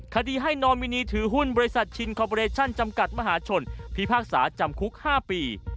คดีให้นอมินีถือหุ้นบริษัทชินคอปเรชั่นจำกัดมหาชนพิพากษาจำคุก๕ปี